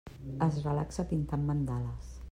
Es relaxa pintant mandales.